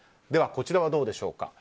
では、こちらはどうでしょうか。